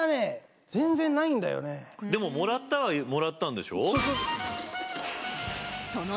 でももらったはもらったんでしょ？